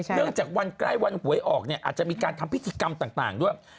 เดินจากวันใกล้วันหวยออกอาจจะมีการทำพฤติกรรมต่างด้วย